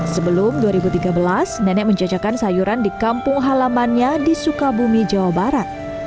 sebelum dua ribu tiga belas nenek menjajakan sayuran di kampung halamannya di sukabumi jawa barat